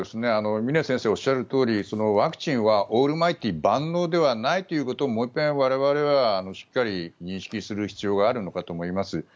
峰先生がおっしゃるとおりワクチンはオールマイティー万能ではないということをもう一遍我々はしっかり認識する必要があるのかなと思います。